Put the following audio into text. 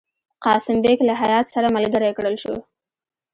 قاسم بیګ له هیات سره ملګری کړل شو.